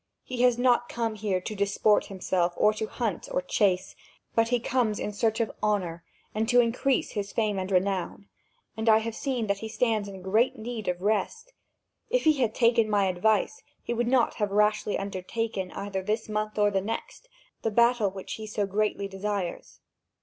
He has not come here to disport himself or to hunt or chase, but he comes in search of honour and to increase his fame and renown, and I have seen that he stands in great need of rest. If he had taken my advice, he would not have rashly undertaken, either this month or the next, the battle which he so greatly desires.